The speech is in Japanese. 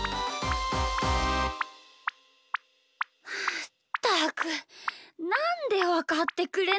あったくなんでわかってくれないんだ。